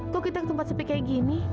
kok kita ketumpat sepi kayak gini